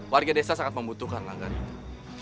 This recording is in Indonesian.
warga desa sangat membutuhkan langganan itu